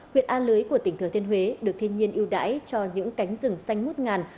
huyện an lưới của tỉnh thừa thiên huế được thiên nhiên yêu đáy cho những cánh rừng xanh mút ngàn